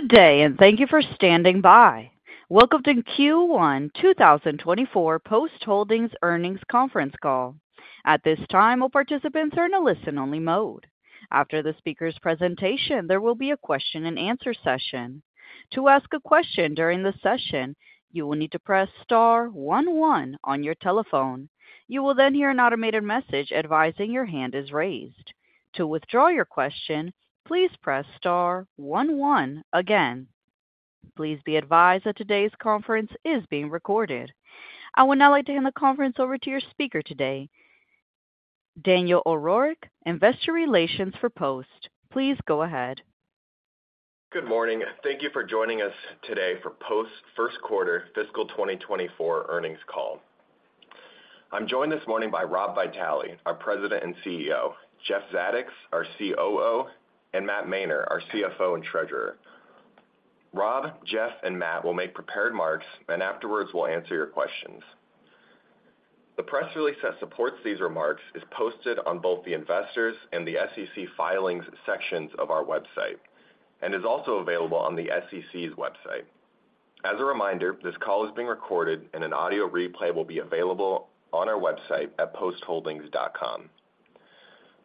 Good day, and thank you for standing by. Welcome to Q1 2024 Post Holdings earnings conference call. At this time, all participants are in a listen-only mode. After the speaker's presentation, there will be a question-and-answer session. To ask a question during the session, you will need to press Star one one on your telephone. You will then hear an automated message advising your hand is raised. To withdraw your question, please press Star one one again. Please be advised that today's conference is being recorded. I would now like to hand the conference over to your speaker today, Daniel O'Rourke, Investor Relations for Post. Please go ahead. Good morning, and thank you for joining us today for Post's first quarter fiscal 2024 earnings call. I'm joined this morning by Rob Vitale, our President and CEO, Jeff Zadoks, our COO, and Matt Mainer, our CFO and Treasurer. Rob, Jeff, and Matt will make prepared remarks, and afterwards, we'll answer your questions. The press release that supports these remarks is posted on both the Investors and the SEC Filings sections of our website and is also available on the SEC's website. As a reminder, this call is being recorded, and an audio replay will be available on our website at postholdings.com.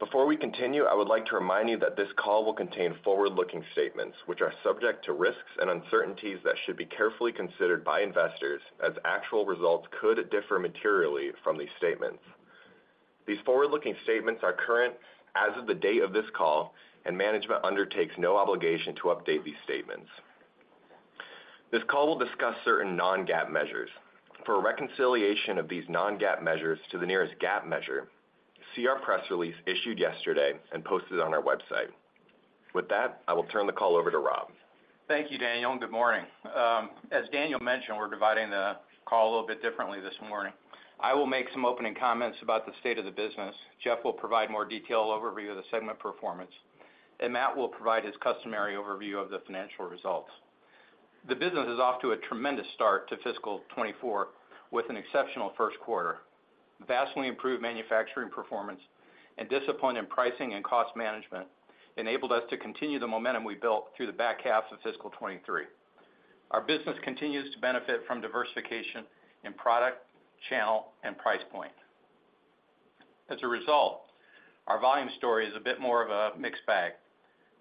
Before we continue, I would like to remind you that this call will contain forward-looking statements, which are subject to risks and uncertainties that should be carefully considered by investors, as actual results could differ materially from these statements. These forward-looking statements are current as of the date of this call, and management undertakes no obligation to update these statements. This call will discuss certain non-GAAP measures. For a reconciliation of these non-GAAP measures to the nearest GAAP measure, see our press release issued yesterday and posted on our website. With that, I will turn the call over to Rob. Thank you, Daniel, and good morning. As Daniel mentioned, we're dividing the call a little bit differently this morning. I will make some opening comments about the state of the business. Jeff will provide more detail overview of the segment performance, and Matt will provide his customary overview of the financial results. The business is off to a tremendous start to Fiscal 2024, with an exceptional first quarter. Vastly improved manufacturing performance and discipline in pricing and cost management enabled us to continue the momentum we built through the back half of Fiscal 2023. Our business continues to benefit from diversification in product, channel, and price point. As a result, our volume story is a bit more of a mixed bag.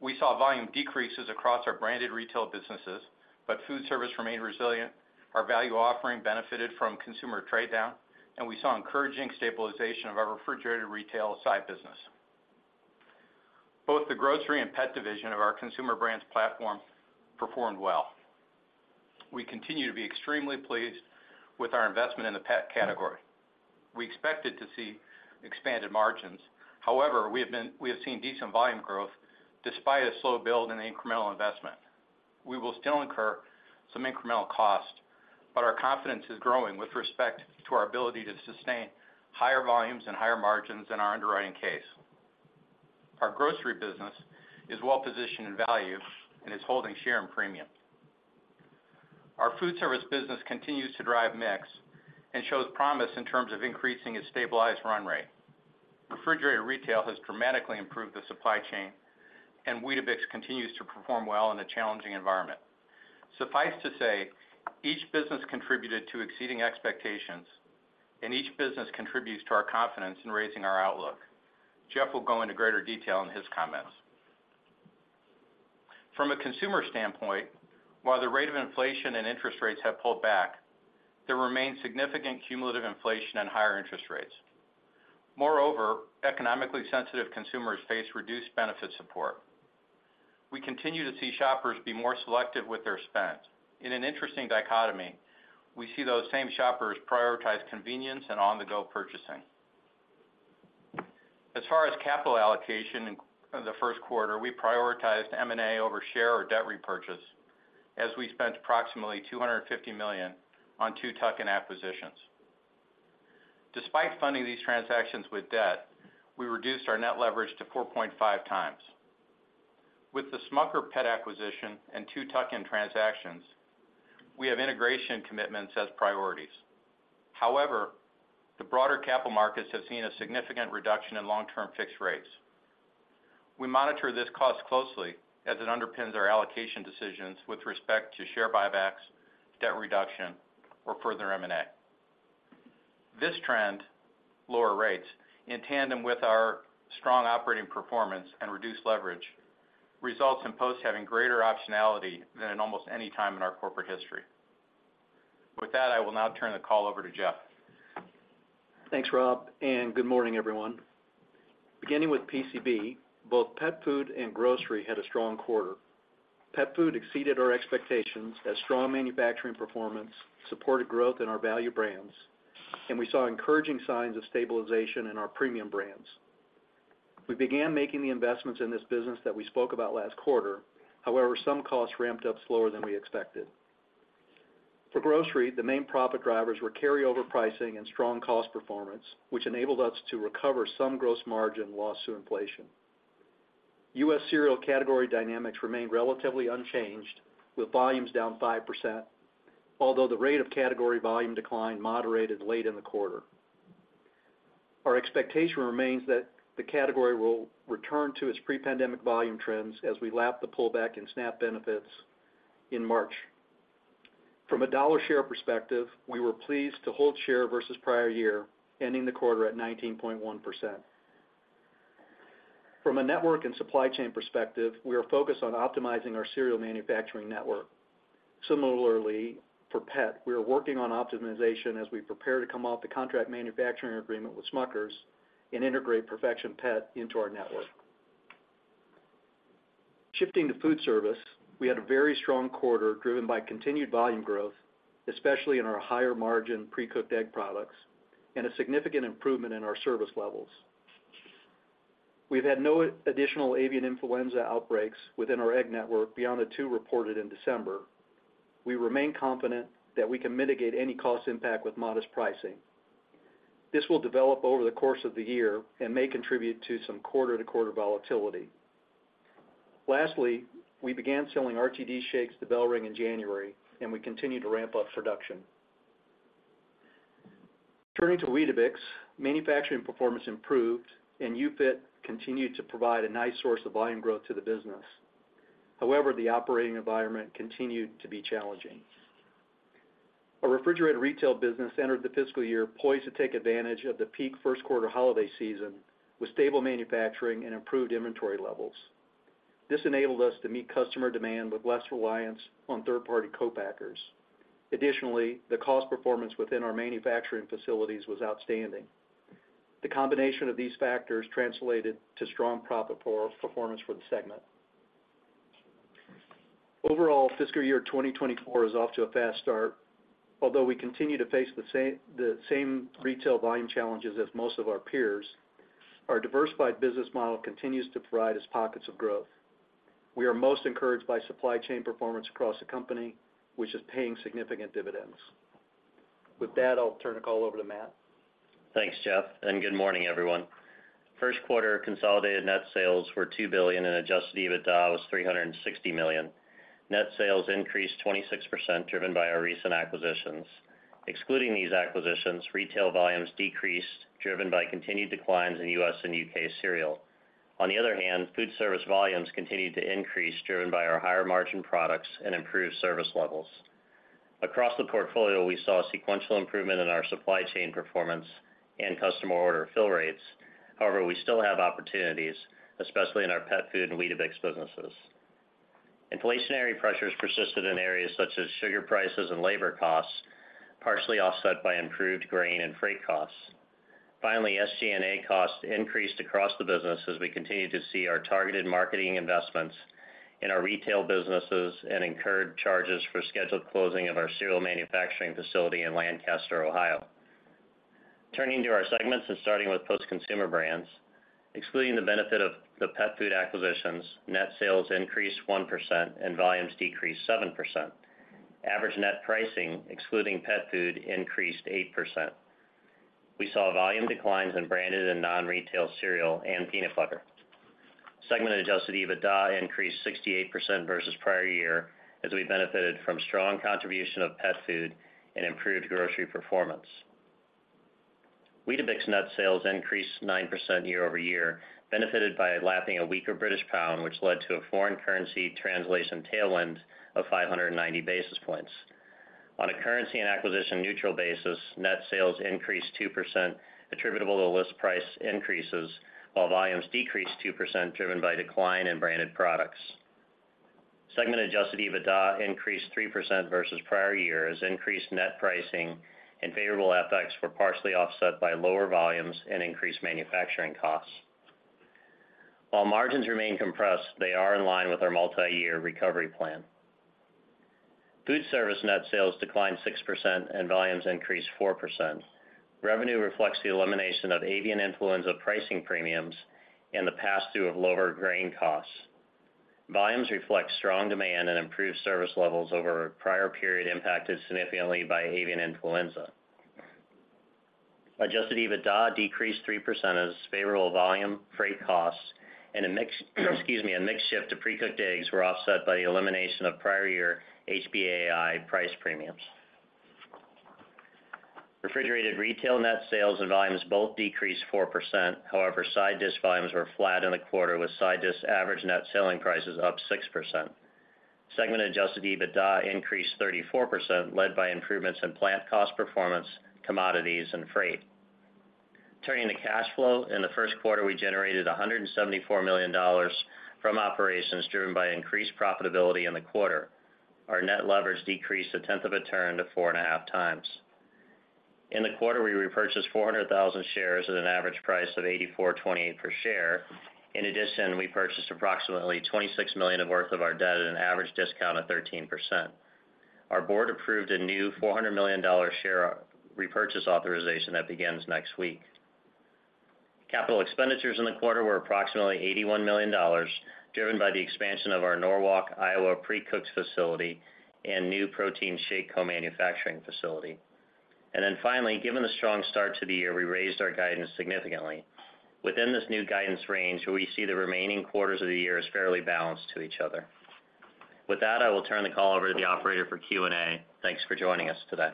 We saw volume decreases across our Branded Retail businesses, but Foodservice remained resilient. Our value offering benefited from consumer trade-down, and we saw encouraging stabilization of our Refrigerated Retail side business. Both the grocery and pet division of our Consumer Brands platform performed well. We continue to be extremely pleased with our investment in the pet category. We expected to see expanded margins. However, we have seen decent volume growth despite a slow build in the incremental investment. We will still incur some incremental cost, but our confidence is growing with respect to our ability to sustain higher volumes and higher margins in our underwriting case. Our Grocery business is well positioned in value and is holding share and premium. Our Foodservice business continues to drive mix and shows promise in terms of increasing its stabilized run rate. Refrigerated Retail has dramatically improved the supply chain, and Weetabix continues to perform well in a challenging environment. Suffice to say, each business contributed to exceeding expectations, and each business contributes to our confidence in raising our outlook. Jeff will go into greater detail in his comments. From a consumer standpoint, while the rate of inflation and interest rates have pulled back, there remains significant cumulative inflation and higher interest rates. Moreover, economically sensitive consumers face reduced benefit support. We continue to see shoppers be more selective with their spend. In an interesting dichotomy, we see those same shoppers prioritize convenience and on-the-go purchasing. As far as capital allocation in the first quarter, we prioritized M&A over share or debt repurchase, as we spent approximately $250 million on two tuck-in acquisitions. Despite funding these transactions with debt, we reduced our net leverage to 4.5x. With the Smucker pet acquisition and two tuck-in transactions, we have integration commitments as priorities. However, the broader capital markets have seen a significant reduction in long-term fixed rates. We monitor this cost closely as it underpins our allocation decisions with respect to share buybacks, debt reduction, or further M&A. This trend, lower rates, in tandem with our strong operating performance and reduced leverage, results in Post having greater optionality than in almost any time in our corporate history. With that, I will now turn the call over to Jeff. Thanks, Rob, and good morning, everyone. Beginning with PCB, both Pet Food and Grocery had a strong quarter. Pet Food exceeded our expectations as strong manufacturing performance supported growth in our value brands, and we saw encouraging signs of stabilization in our premium brands. We began making the investments in this business that we spoke about last quarter. However, some costs ramped up slower than we expected. For grocery, the main profit drivers were carryover pricing and strong cost performance, which enabled us to recover some gross margin lost to inflation. U.S. cereal category dynamics remained relatively unchanged, with volumes down 5%, although the rate of category volume decline moderated late in the quarter. Our expectation remains that the category will return to its pre-pandemic volume trends as we lap the pullback in SNAP benefits in March. From a dollar share perspective, we were pleased to hold share versus prior year, ending the quarter at 19.1%. From a network and supply chain perspective, we are focused on optimizing our cereal manufacturing network. Similarly, for pet, we are working on optimization as we prepare to come off the contract manufacturing agreement with Smucker and integrate Perfection Pet into our network. Shifting to Foodservice, we had a very strong quarter, driven by continued volume growth, especially in our higher margin pre-cooked egg products, and a significant improvement in our service levels. We've had no additional avian influenza outbreaks within our egg network beyond the two reported in December. We remain confident that we can mitigate any cost impact with modest pricing. This will develop over the course of the year and may contribute to some quarter-to-quarter volatility. Lastly, we began selling RTD shakes to BellRing in January, and we continue to ramp up production. Turning to Weetabix, manufacturing performance improved, and UFIT continued to provide a nice source of volume growth to the business. However, the operating environment continued to be challenging. Our Refrigerated Retail business entered the fiscal year poised to take advantage of the peak first quarter holiday season with stable manufacturing and improved inventory levels. This enabled us to meet customer demand with less reliance on third-party co-packers. Additionally, the cost performance within our manufacturing facilities was outstanding. The combination of these factors translated to strong profit per performance for the segment. Overall, fiscal year 2024 is off to a fast start. Although we continue to face the same retail volume challenges as most of our peers, our diversified business model continues to provide us pockets of growth. We are most encouraged by supply chain performance across the company, which is paying significant dividends. With that, I'll turn the call over to Matt. Thanks, Jeff, and good morning, everyone. First quarter consolidated net sales were $2 billion, and adjusted EBITDA was $360 million. Net sales increased 26%, driven by our recent acquisitions. Excluding these acquisitions, retail volumes decreased, driven by continued declines in U.S. and U.K. cereal. On the other hand, Foodservice volumes continued to increase, driven by our higher margin products and improved service levels. Across the portfolio, we saw a sequential improvement in our supply chain performance and customer order fill rates. However, we still have opportunities, especially in our Pet Food and Weetabix businesses. Inflationary pressures persisted in areas such as sugar prices and labor costs, partially offset by improved grain and freight costs. Finally, SG&A costs increased across the business as we continued to see our targeted marketing investments in our Retail businesses and incurred charges for scheduled closing of our cereal manufacturing facility in Lancaster, Ohio. Turning to our segments and starting with Post Consumer Brands, excluding the benefit of the Pet Food acquisitions, net sales increased 1% and volumes decreased 7%. Average net pricing, excluding pet food, increased 8%. We saw volume declines in branded and non-retail cereal and peanut butter. Segmented adjusted EBITDA increased 68% versus prior year as we benefited from strong contribution of pet food and improved grocery performance. Weetabix net sales increased 9% year-over-year, benefited by lapping a weaker British pound, which led to a foreign currency translation tailwind of 590 basis points. On a currency and acquisition neutral basis, net sales increased 2% attributable to list price increases, while volumes decreased 2%, driven by decline in branded products. Segmented Adjusted EBITDA increased 3% versus prior years, increased net pricing and favorable FX were partially offset by lower volumes and increased manufacturing costs. While margins remain compressed, they are in line with our multiyear recovery plan. Foodservice net sales declined 6% and volumes increased 4%. Revenue reflects the elimination of avian influenza pricing premiums and the pass-through of lower grain costs. Volumes reflect strong demand and improved service levels over a prior period impacted significantly by avian influenza. Adjusted EBITDA decreased 3% as favorable volume, freight costs, and a mix, excuse me, a mix shift to pre-cooked eggs were offset by the elimination of prior year HPAI price premiums. Refrigerated Retail net sales and volumes both decreased 4%. However, side dish volumes were flat in the quarter, with side dish average net selling prices up 6%. Segmented adjusted EBITDA increased 34%, led by improvements in plant cost performance, commodities, and freight. Turning to cash flow, in the first quarter, we generated $174 million from operations driven by increased profitability in the quarter. Our net leverage decreased a tenth of a turn to 4.5x. In the quarter, we repurchased 400,000 shares at an average price of $84.28 per share. In addition, we purchased approximately $26 million worth of our debt at an average discount of 13%. Our board approved a new $400 million share repurchase authorization that begins next week. Capital expenditures in the quarter were approximately $81 million, driven by the expansion of our Norwalk, Iowa, pre-cooked facility and new protein shake co-manufacturing facility. Then finally, given the strong start to the year, we raised our guidance significantly. Within this new guidance range, we see the remaining quarters of the year as fairly balanced to each other. With that, I will turn the call over to the operator for Q&A. Thanks for joining us today.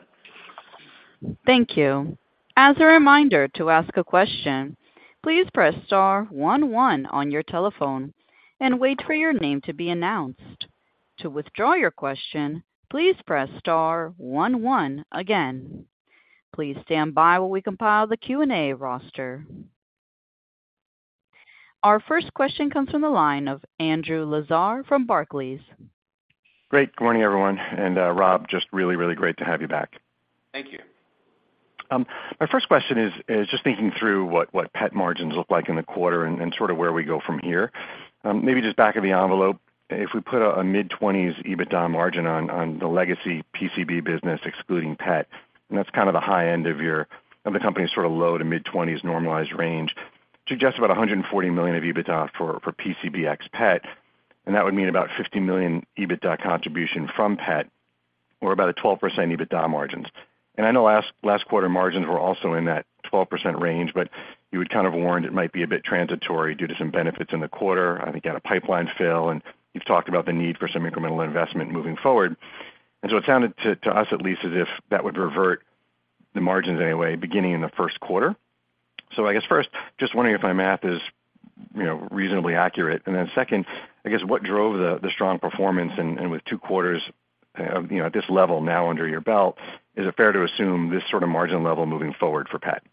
Thank you. As a reminder, to ask a question, please press Star one, one on your telephone and wait for your name to be announced. To withdraw your question, please press Star one, one again. Please stand by while we compile the Q&A roster. Our first question comes from the line of Andrew Lazar from Barclays. Great. Good morning, everyone. And, Rob, just really, really great to have you back. Thank you. My first question is just thinking through what pet margins look like in the quarter and sort of where we go from here. Maybe just back of the envelope, if we put a mid-20s EBITDA margin on the legacy PCB business, excluding pet, and that's kind of the high end of the company's sort of low- to mid-20s normalized range, suggests about $140 million of EBITDA for PCB ex pet, and that would mean about $50 million EBITDA contribution from Pet or about a 12% EBITDA margins. And I know last quarter margins were also in that 12% range, but you had kind of warned it might be a bit transitory due to some benefits in the quarter. I think you had a pipeline fill, and you've talked about the need for some incremental investment moving forward. And so it sounded to us at least, as if that would revert the margins anyway, beginning in the first quarter. So I guess first, just wondering if my math is, you know, reasonably accurate. And then second, I guess, what drove the strong performance and with two quarters, you know, at this level now under your belt, is it fair to assume this sort of margin level moving forward for pet?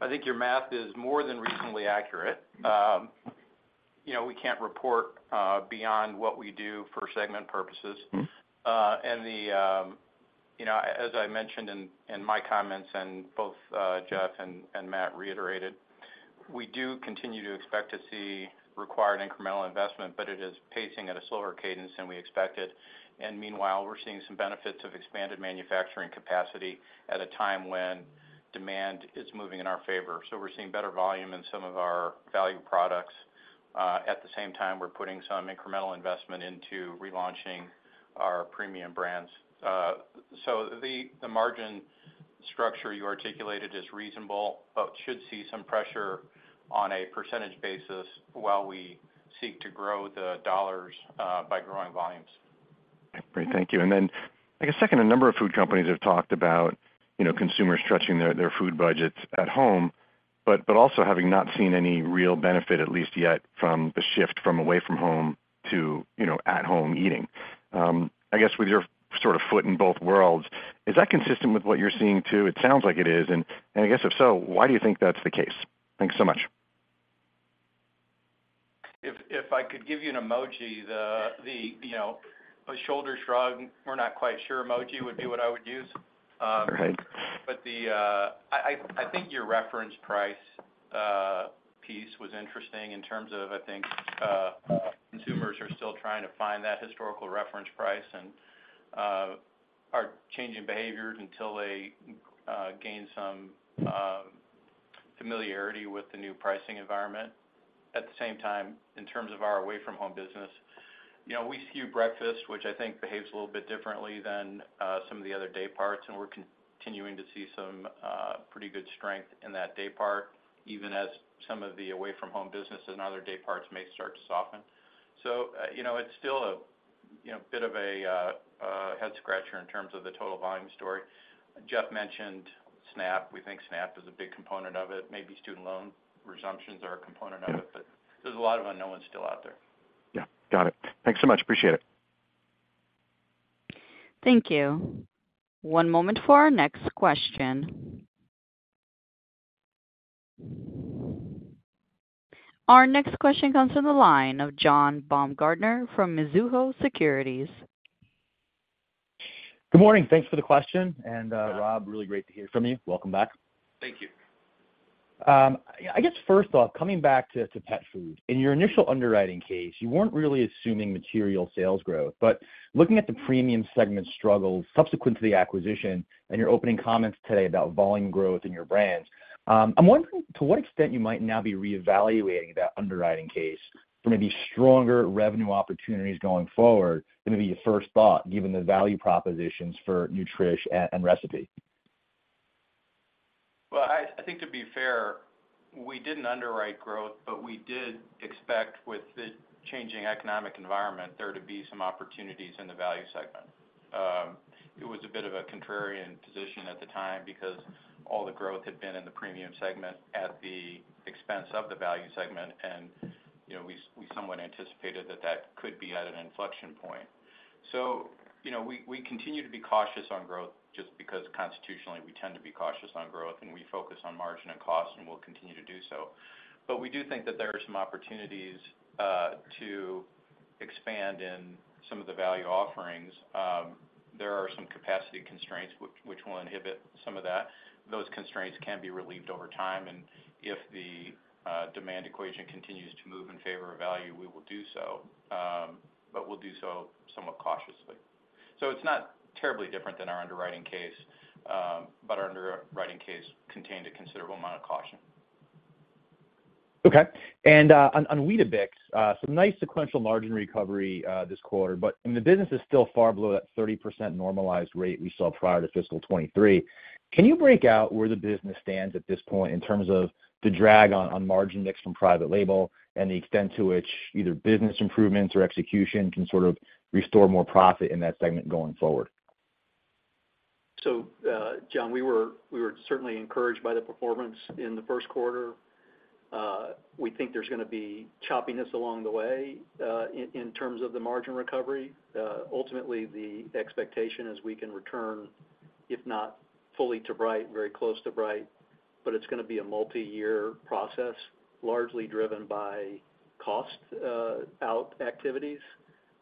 I think your math is more than reasonably accurate. You know, we can't report beyond what we do for segment purposes. You know, as I mentioned in my comments, and both Jeff and Matt reiterated, we do continue to expect to see required incremental investment, but it is pacing at a slower cadence than we expected. Meanwhile, we're seeing some benefits of expanded manufacturing capacity at a time when demand is moving in our favor. So we're seeing better volume in some of our value products. At the same time, we're putting some incremental investment into relaunching our premium brands. So the margin structure you articulated is reasonable, but should see some pressure on a percentage basis while we seek to grow the dollars by growing volumes. Great, thank you. And then, I guess, second, a number of food companies have talked about, you know, consumers stretching their, their food budgets at home, but, but also having not seen any real benefit, at least yet, from the shift from away-from-home to, you know, at-home eating. I guess with your sort of foot in both worlds, is that consistent with what you're seeing, too? It sounds like it is. And, and I guess, if so, why do you think that's the case? Thanks so much. If I could give you an emoji, you know, a shoulder shrug, we're not quite sure emoji would be what I would use. All right. But the, I think your reference price piece was interesting in terms of, I think, consumers are still trying to find that historical reference price and are changing behaviors until they gain some familiarity with the new pricing environment. At the same time, in terms of our away-from-home business, you know, we skew breakfast, which I think behaves a little bit differently than some of the other day parts, and we're continuing to see some pretty good strength in that day part, even as some of the away-from-home business and other day parts may start to soften. So, you know, it's still a, you know, bit of a head scratcher in terms of the total volume story. Jeff mentioned SNAP. We think SNAP is a big component of it. Maybe student loan resumptions are a component of it- Yeah. but there's a lot of unknowns still out there. Yeah. Got it. Thanks so much. Appreciate it. Thank you. One moment for our next question. Our next question comes from the line of John Baumgartner from Mizuho Securities. Good morning. Thanks for the question. Rob, really great to hear from you. Welcome back. Thank you. I guess first off, coming back to pet food. In your initial underwriting case, you weren't really assuming material sales growth, but looking at the Premium segment struggles subsequent to the acquisition and your opening comments today about volume growth in your brands, I'm wondering to what extent you might now be reevaluating that underwriting case for maybe stronger revenue opportunities going forward than maybe you first thought, given the value propositions for Nutrish and Recipe? Well, I think to be fair, we didn't underwrite growth, but we did expect with the changing economic environment, there to be some opportunities in the Value segment. It was a bit of a contrarian position at the time because all the growth had been in the Premium segment at the expense of the Value segment, and, you know, we somewhat anticipated that that could be at an inflection point. So, you know, we continue to be cautious on growth just because constitutionally, we tend to be cautious on growth, and we focus on margin and cost, and we'll continue to do so. But we do think that there are some opportunities to expand in some of the value offerings. There are some capacity constraints which will inhibit some of that. Those constraints can be relieved over time, and if the demand equation continues to move in favor of value, we will do so, but we'll do so somewhat cautiously. So it's not terribly different than our underwriting case, but our underwriting case contained a considerable amount of caution. Okay. And on Weetabix, some nice sequential margin recovery this quarter, but and the business is still far below that 30% normalized rate we saw prior to fiscal 2023. Can you break out where the business stands at this point in terms of the drag on margin mix from private label and the extent to which either business improvements or execution can sort of restore more profit in that segment going forward? So, John, we were certainly encouraged by the performance in the first quarter. We think there's gonna be choppiness along the way, in terms of the margin recovery. Ultimately, the expectation is we can return, if not fully to bright, very close to bright, but it's gonna be a multiyear process, largely driven by cost-out activities,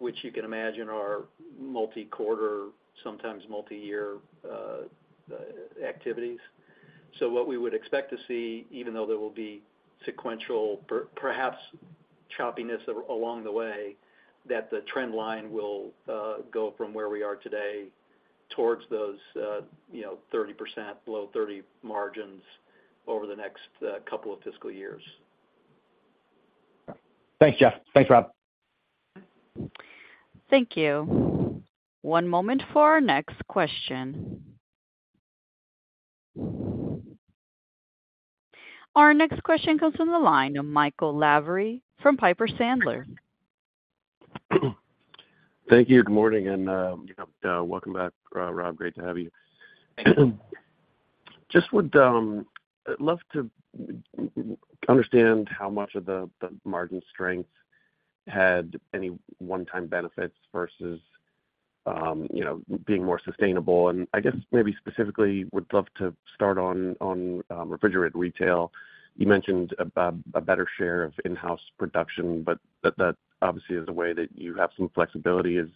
which you can imagine are multi-quarter, sometimes multi-year, activities. So what we would expect to see, even though there will be sequential, perhaps choppiness along the way, that the trend line will go from where we are today towards those, you know, 30%, below 30% margins over the next couple of fiscal years. Thanks, Jeff. Thanks, Rob. Thank you. One moment for our next question. Our next question comes from the line of Michael Lavery from Piper Sandler. Thank you. Good morning, and, you know, welcome back, Rob. Great to have you. Just would love to understand how much of the margin strength had any one-time benefits versus, you know, being more sustainable. And I guess, maybe specifically, would love to start on Refrigerated Retail. You mentioned about a better share of in-house production, but that obviously is a way that you have some flexibility. Is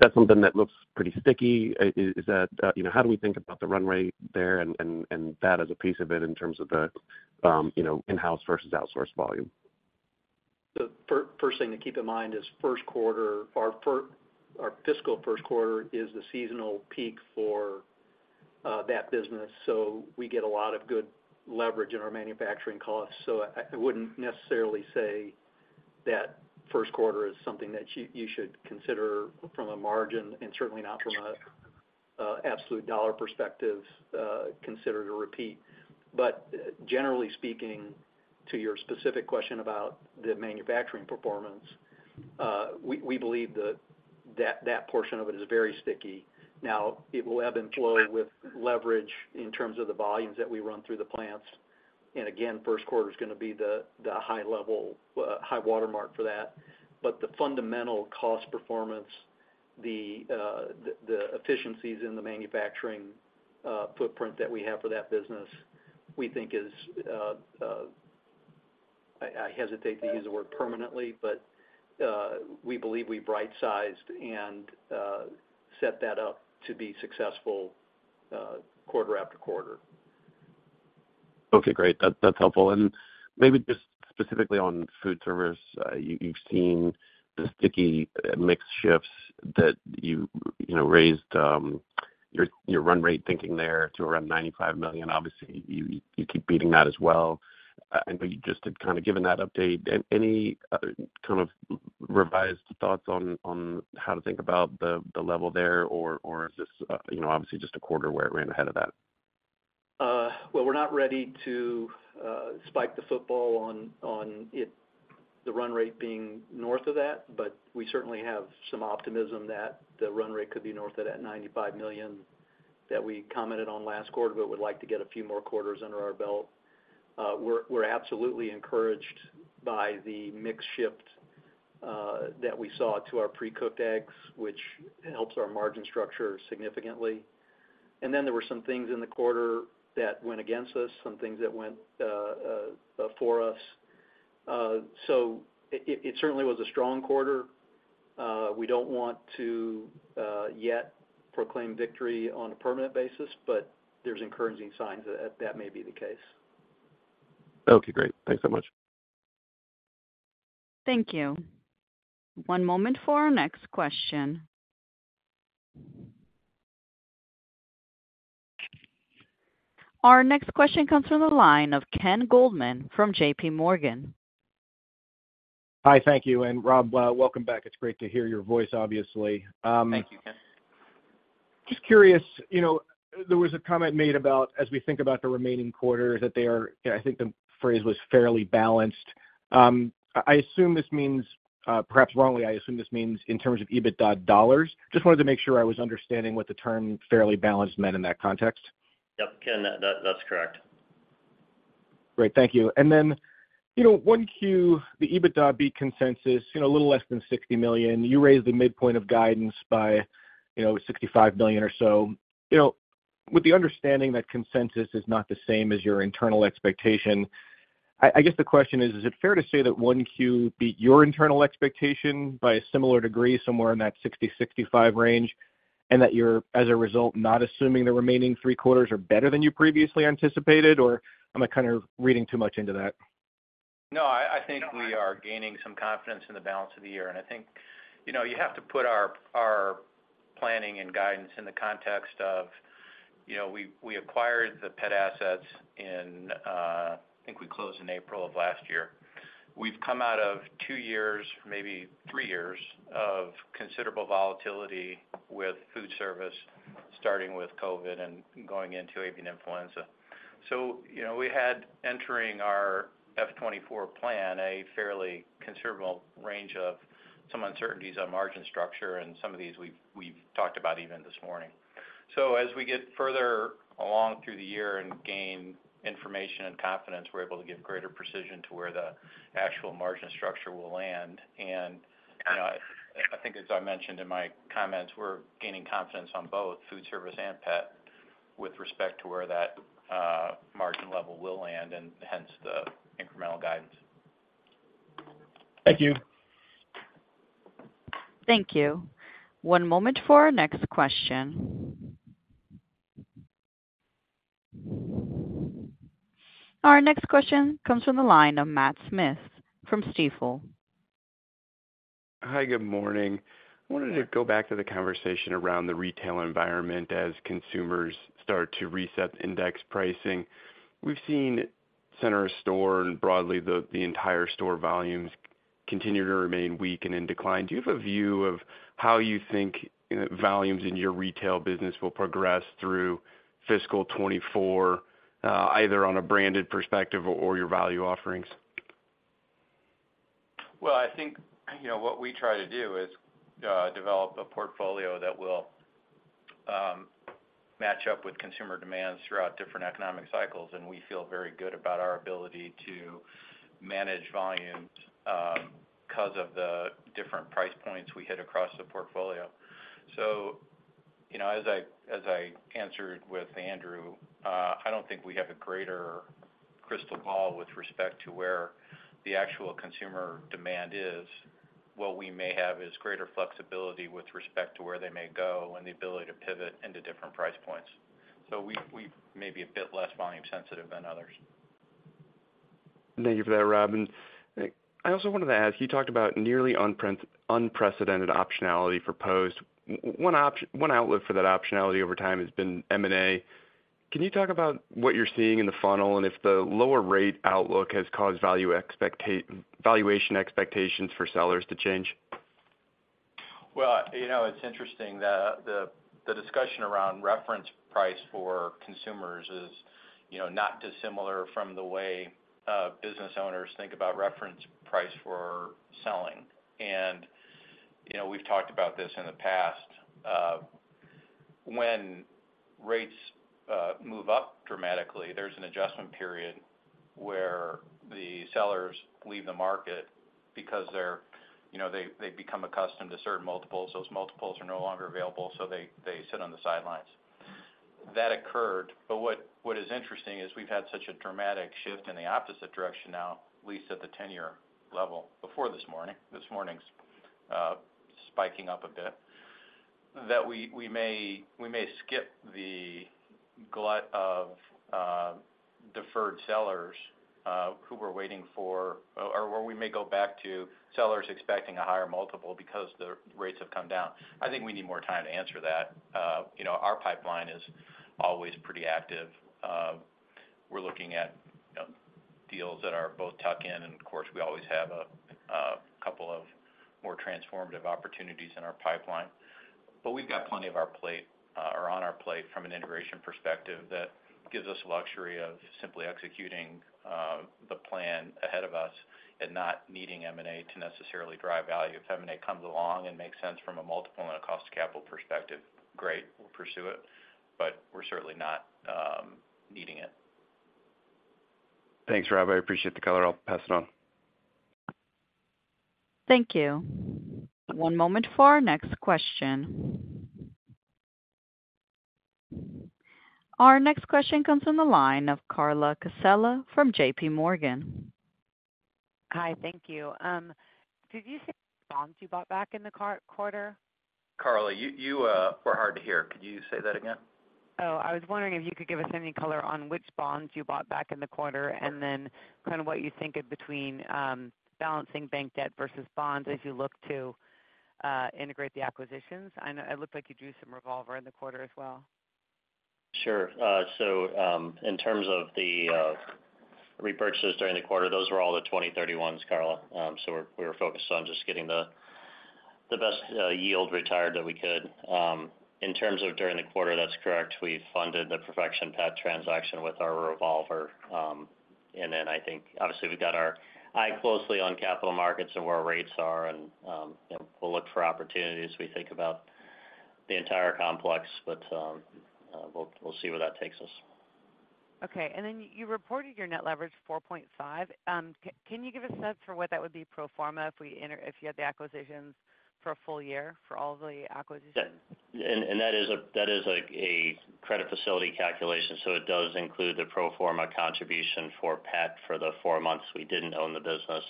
that something that looks pretty sticky? Is that, you know, how do we think about the run rate there and that as a piece of it in terms of the, you know, in-house versus outsourced volume? The first thing to keep in mind is first quarter, our fiscal first quarter is the seasonal peak for that business, so we get a lot of good leverage in our manufacturing costs. So I wouldn't necessarily say that first quarter is something that you should consider from a margin, and certainly not from an absolute dollar perspective, consider to repeat. But generally speaking, to your specific question about the manufacturing performance, we believe that that portion of it is very sticky. Now, it will ebb and flow with leverage in terms of the volumes that we run through the plants. And again, first quarter is gonna be the high level high watermark for that. But the fundamental cost performance, the efficiencies in the manufacturing footprint that we have for that business, we think is, I hesitate to use the word permanently, but we believe we've right-sized and set that up to be successful, quarter-after-quarter. Okay, great. That's, that's helpful. And maybe just specifically on Foodservice, you've seen the sticky mix shifts that you, you know, raised, your, your run rate thinking there to around $95 million. Obviously, you, you keep beating that as well. I know you just had kind of given that update. Any kind of revised thoughts on how to think about the level there? Or is this, you know, obviously just a quarter where it ran ahead of that? Well, we're not ready to spike the football on it, the run rate being north of that, but we certainly have some optimism that the run rate could be north of that $95 million that we commented on last quarter, but would like to get a few more quarters under our belt. We're absolutely encouraged by the mix shift that we saw to our pre-cooked eggs, which helps our margin structure significantly. And then there were some things in the quarter that went against us, some things that went for us. So it certainly was a strong quarter. We don't want to yet proclaim victory on a permanent basis, but there's encouraging signs that may be the case. Okay, great. Thanks so much. Thank you. One moment for our next question. Our next question comes from the line of Ken Goldman from JPMorgan. Hi, thank you. And Rob, welcome back. It's great to hear your voice, obviously. Thank you, Ken. Just curious, you know, there was a comment made about as we think about the remaining quarter, that they are, I think the phrase was fairly balanced. I assume this means, perhaps wrongly, I assume this means in terms of EBITDA dollars. Just wanted to make sure I was understanding what the term fairly balanced meant in that context. Yep, Ken, that's correct. Great, thank you. Then, you know, 1Q, the EBITDA beat consensus, you know, a little less than $60 million. You raised the midpoint of guidance by, you know, $65 million or so. You know, with the understanding that consensus is not the same as your internal expectation, I guess, the question is: Is it fair to say that 1Q beat your internal expectation by a similar degree, somewhere in that $60 million-$65 million range, and that you're, as a result, not assuming the remaining three quarters are better than you previously anticipated, or am I kind of reading too much into that? No, I think we are gaining some confidence in the balance of the year. And I think, you know, you have to put our planning and guidance in the context of, you know, we acquired the pet assets in, I think we closed in April of last year. We've come out of two years, maybe three years, of considerable volatility with Foodservice, starting with COVID and going into avian influenza. So, you know, we had entering our F 2024 plan, a fairly considerable range of some uncertainties on margin structure, and some of these we've talked about even this morning. So as we get further along through the year and gain information and confidence, we're able to give greater precision to where the actual margin structure will land. And, you know, I think as I mentioned in my comments, we're gaining confidence on both Foodservice and Pet with respect to where that margin level will land and hence the incremental guidance. Thank you. Thank you. One moment for our next question. Our next question comes from the line of Matt Smith from Stifel. Hi, good morning. I wanted to go back to the conversation around the retail environment as consumers start to reset index pricing. We've seen center store and broadly, the entire store volumes continue to remain weak and in decline. Do you have a view of how you think volumes in your retail business will progress through fiscal 2024, either on a branded perspective or your value offerings? Well, I think, you know, what we try to do is, develop a portfolio that will, match up with consumer demands throughout different economic cycles, and we feel very good about our ability to manage volumes, because of the different price points we hit across the portfolio. So, you know, as I, as I answered with Andrew, I don't think we have a greater crystal ball with respect to where the actual consumer demand is. What we may have is greater flexibility with respect to where they may go and the ability to pivot into different price points. So we, we may be a bit less volume sensitive than others. Thank you for that, Rob. I also wanted to ask, you talked about nearly unprecedented optionality for Post. One outlook for that optionality over time has been M&A. Can you talk about what you're seeing in the funnel and if the lower rate outlook has caused valuation expectations for sellers to change? Well, you know, it's interesting. The discussion around reference price for consumers is, you know, not dissimilar from the way business owners think about reference price for selling. And, you know, we've talked about this in the past. When rates move up dramatically, there's an adjustment period where the sellers leave the market because they're you know, they become accustomed to certain multiples. Those multiples are no longer available, so they sit on the sidelines. That occurred, but what is interesting is we've had such a dramatic shift in the opposite direction now, at least at the 10-year level before this morning. This morning's spiking up a bit, that we may skip the glut of deferred sellers who were waiting for, or where we may go back to sellers expecting a higher multiple because the rates have come down. I think we need more time to answer that. You know, our pipeline is always pretty active. We're looking at deals that are both tuck-in, and of course, we always have a couple of more transformative opportunities in our pipeline. But we've got plenty on our plate from an integration perspective that gives us the luxury of simply executing the plan ahead of us and not needing M&A to necessarily drive value. If M&A comes along and makes sense from a multiple and a cost capital perspective, great, we'll pursue it, but we're certainly not needing it. Thanks, Rob. I appreciate the color. I'll pass it on. Thank you. One moment for our next question. Our next question comes from the line of Carla Casella from JPMorgan. Hi, thank you. Did you say bonds you bought back in the quarter? Carla, you were hard to hear. Could you say that again? Oh, I was wondering if you could give us any color on which bonds you bought back in the quarter, and then kind of what you think of between balancing bank debt versus bonds as you look to integrate the acquisitions. I know it looked like you do some revolver in the quarter as well. Sure. So, in terms of the repurchases during the quarter, those were all the 2030 ones, Carla. So we were focused on just getting the best yield retired that we could. In terms of during the quarter, that's correct. We funded the Perfection Pet transaction with our revolver. And then I think obviously, we've got our eye closely on capital markets and where our rates are, and you know, we'll look for opportunities as we think about the entire complex, but we'll see where that takes us. Okay. And then you reported your net leverage, 4.5x. Can you give a sense for what that would be pro forma if you had the acquisitions for a full year, for all the acquisitions? Yeah. And that is, like, a credit facility calculation, so it does include the pro forma contribution for Pet for the 4 months we didn't own the business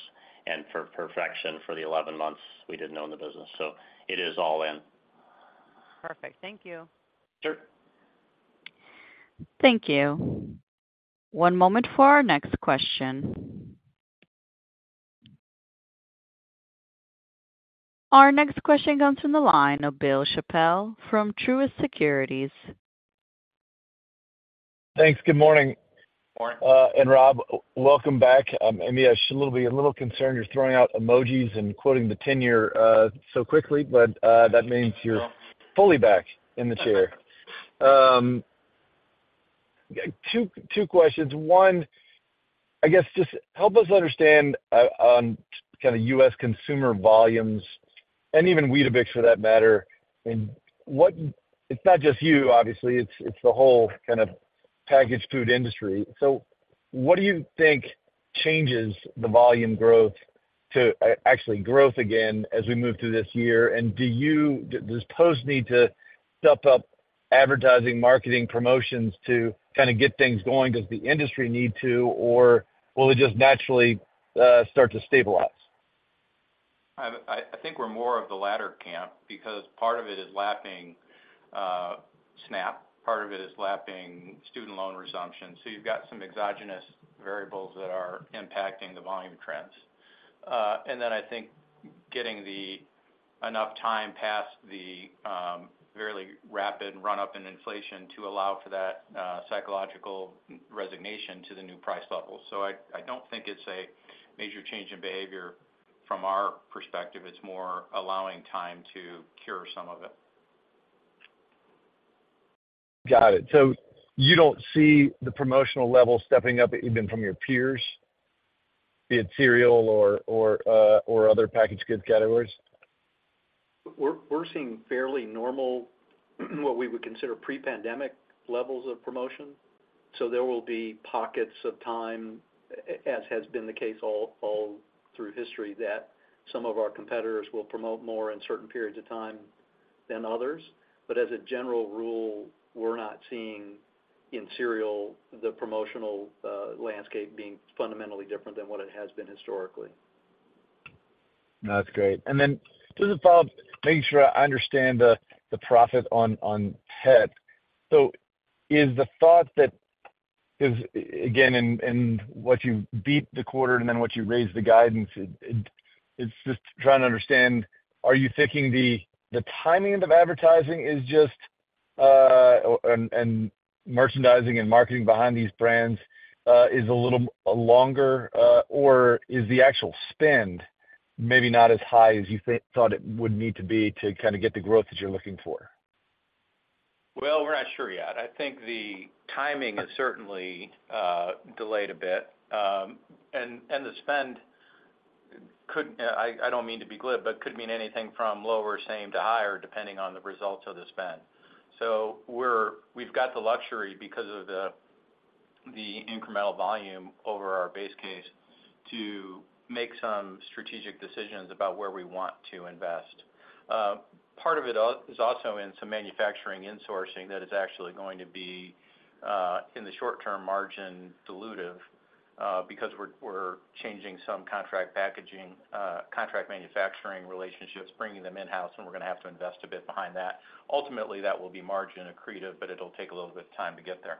and for Perfection for the 11 months we didn't own the business. So it is all in. Perfect. Thank you. Sure. Thank you. One moment for our next question. Our next question comes from the line of Bill Chappell from Truist Securities. Thanks. Good morning. Good morning. And Rob, welcome back. Should a little be a little concerned you're throwing out emojis and quoting the tenure so quickly, but that means you're fully back in the chair. Two questions. One, I guess, just help us understand on kind of U.S. consumer volumes and even Weetabix, for that matter, and what, it's not just you, obviously, it's the whole kind of packaged food industry. So what do you think changes the volume growth to actually growth again as we move through this year? And does Post need to step up advertising, marketing, promotions to kind of get things going? Does the industry need to, or will it just naturally start to stabilize? I think we're more of the latter camp, because part of it is lapping SNAP. Part of it is lapping student loan resumption. So you've got some exogenous variables that are impacting the volume trends. And then I think getting enough time past the fairly rapid run-up in inflation to allow for that psychological resignation to the new price level. So I don't think it's a major change in behavior from our perspective, it's more allowing time to cure some of it. Got it. So you don't see the promotional level stepping up, even from your peers, be it cereal or other packaged goods categories? We're seeing fairly normal, what we would consider pre-pandemic levels of promotion. So there will be pockets of time, as has been the case all through history, that some of our competitors will promote more in certain periods of time than others. But as a general rule, we're not seeing, in cereal, the promotional landscape being fundamentally different than what it has been historically. That's great. And then, this is Rob, making sure I understand the profit on head. So is the thought that is, again, in what you beat the quarter and then what you raised the guidance, it's just trying to understand, are you thinking the timing of advertising is just and merchandising and marketing behind these brands is a little longer, or is the actual spend maybe not as high as you thought it would need to be to kind of get the growth that you're looking for? Well, we're not sure yet. I think the timing is certainly delayed a bit. And the spend could. I don't mean to be glib, but could mean anything from lower, same, to higher, depending on the results of the spend. So we've got the luxury because of the incremental volume over our base case to make some strategic decisions about where we want to invest. Part of it is also in some manufacturing insourcing that is actually going to be in the short term margin dilutive because we're changing some contract packaging contract manufacturing relationships, bringing them in-house, and we're gonna have to invest a bit behind that. Ultimately, that will be margin accretive, but it'll take a little bit of time to get there.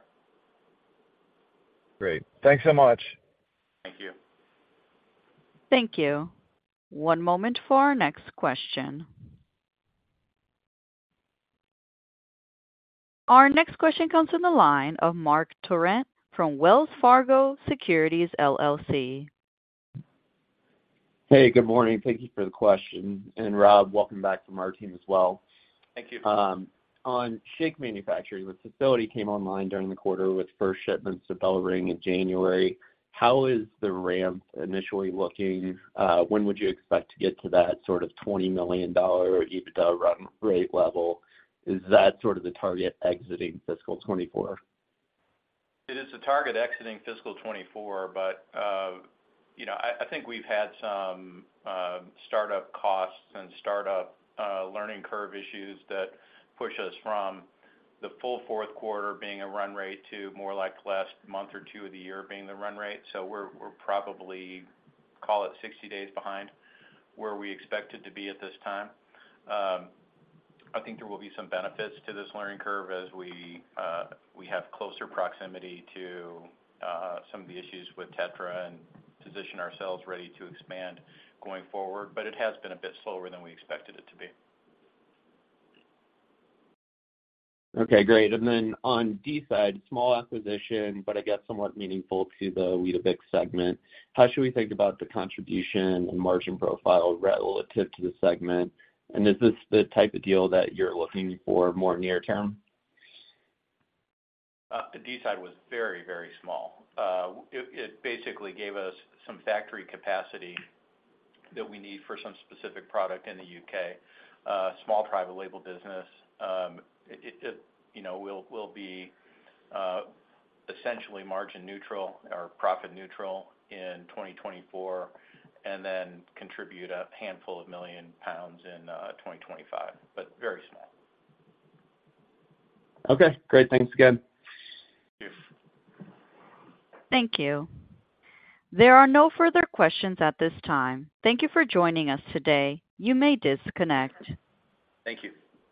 Great. Thanks so much. Thank you. Thank you. One moment for our next question. Our next question comes from the line of Marc Torrente from Wells Fargo Securities LLC. Hey, good morning. Thank you for the question, and Rob, welcome back from our team as well. Thank you. On shake manufacturing, the facility came online during the quarter with first shipments to BellRing in January. How is the ramp initially looking? When would you expect to get to that sort of $20 million EBITDA run rate level? Is that sort of the target exiting Fiscal 2024? It is the target exiting Fiscal 2024, but, you know, I, I think we've had some, startup costs and startup, learning curve issues that push us from the full fourth quarter being a run rate to more like last month or two of the year being the run rate. So we're, we're probably, call it 60 days behind where we expected to be at this time. I think there will be some benefits to this learning curve as we, we have closer proximity to, some of the issues with Tetra and position ourselves ready to expand going forward, but it has been a bit slower than we expected it to be. Okay, great. And then on Deeside, small acquisition, but I guess somewhat meaningful to the Weetabix segment. How should we think about the contribution and margin profile relative to the segment? And is this the type of deal that you're looking for more near term? The Deeside was very, very small. It basically gave us some factory capacity that we need for some specific product in the U.K. small private label business. You know, it will be essentially margin neutral or profit neutral in 2024, and then contribute a handful of million pounds in 2025, but very small. Okay, great. Thanks again. Thank you. Thank you. There are no further questions at this time. Thank you for joining us today. You may disconnect. Thank you.